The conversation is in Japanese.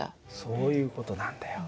そういう事なんだよ。